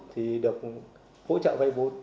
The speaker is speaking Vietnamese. thì được hỗ trợ vay vốn